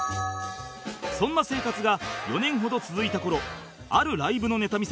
そんな生活が４年ほど続いた頃あるライブのネタ